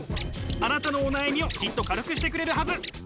あなたのお悩みをきっと軽くしてくれるはず。